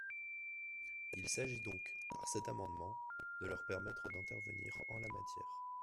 Il s’agit donc, par cet amendement, de leur permettre d’intervenir en la matière.